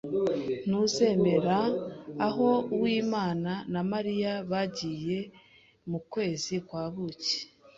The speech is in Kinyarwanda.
Ntuzemera aho Uwimana na Mariya bagiye mu kwezi kwa buki.